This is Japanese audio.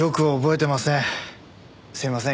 すいません